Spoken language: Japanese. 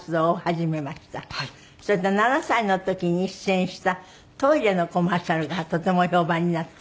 それで７歳の時に出演したトイレのコマーシャルがとても評判になった。